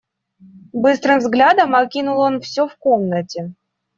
Быстрым взглядом окинул он всё в комнате.